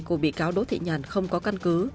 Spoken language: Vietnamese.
của bị cáo đỗ thị nhàn không có căn cứ